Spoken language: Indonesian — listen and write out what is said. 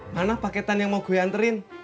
mana paketan yang mau gue anterin